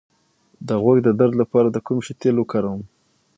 د غوږ د درد لپاره د کوم شي تېل وکاروم؟